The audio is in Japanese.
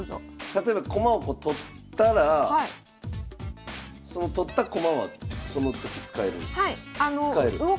例えば駒を取ったらその取った駒はその時使えるんですか？